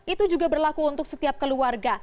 itu juga berlaku untuk setiap keluarga